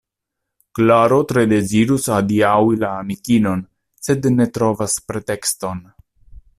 Klaro tre dezirus adiaŭi la amikinon, sed ne trovas pretekston.